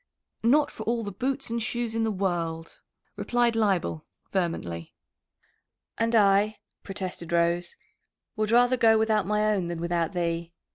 "Not for all the boots and shoes in the world," replied Leibel vehemently. "And I," protested Rose, "would rather go without my own than without thee."